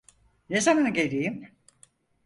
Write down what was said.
Ne zaman geleyim?